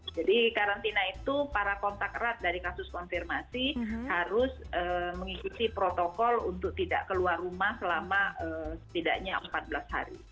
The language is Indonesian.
jadi karantina itu para kontak erat dari kasus konfirmasi harus mengikuti protokol untuk tidak keluar rumah selama setidaknya empat belas hari